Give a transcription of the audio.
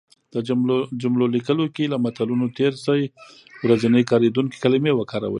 د جملو لیکلو کې له متلونو تېر شی. ورځنی کارېدونکې کلمې وکاروی